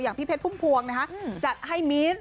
อย่างพี่เพชรพุ่งนะคะจัดให้มีท